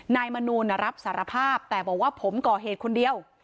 มนูลรับสารภาพแต่บอกว่าผมก่อเหตุคนเดียว